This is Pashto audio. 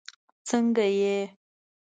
سنګه یی